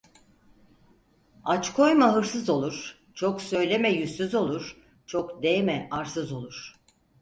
Aç koyma hırsız olur, çok söyleme yüzsüz olur, çok değme arsız olur.